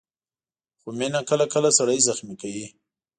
خو مینه کله کله سړی زخمي کوي.